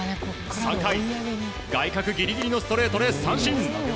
３回、外角ギリギリのストレートで三振。